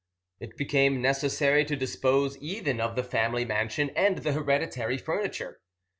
It became necessary to dispose even of the family mansion and the hereditary furniture.